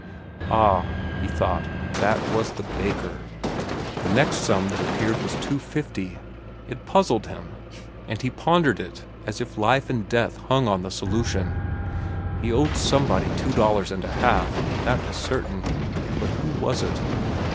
Ah, he thought, that was the baker. The next sum that appeared was "$2.50." It puzzled him, and he pondered it as if life and death hung on the solution. He owed somebody two dollars and a half, that was certain, but who was it?